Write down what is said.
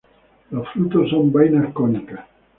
Los frutos son vainas cónicas.